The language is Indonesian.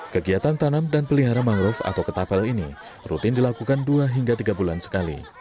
kegiatan tanam dan pelihara mangrove atau ketapel ini rutin dilakukan dua hingga tiga bulan sekali